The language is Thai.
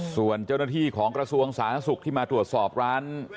ส่วนเจ้าหน้าที่ของกระทรวงสาธารณสุขที่มาตรวจสอบร้าน